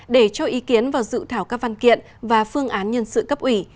để cho ý kiến vào dự thảo các văn kiện và phương án nhân sự cấp ủy